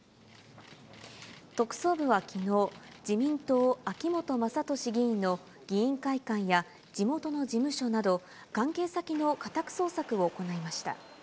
特捜部はきのう、自民党、秋本真利議員の議員会館や、地元の事務所など、関係先の家宅捜索を行いました。